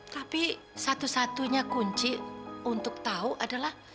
tapi satu satunya kunci untuk tahu adalah